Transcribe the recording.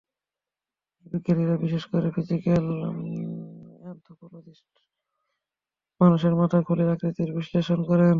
নৃবিজ্ঞানীরা বিশেষ করে ফিজিক্যাল এনথ্রোপলোজিস্টরা মানুষের মাথার খুলির আকৃতির বিশ্লেষণ করেন।